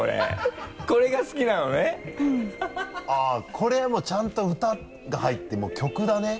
これはもうちゃんと歌が入って曲だね。